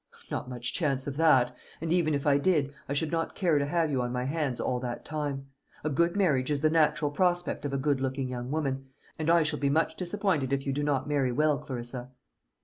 "Not much chance of that; and even if I did, I should not care to have you on my hands all that time. A good marriage is the natural prospect of a good looking young woman, and I shall be much disappointed if you do not marry well, Clarissa."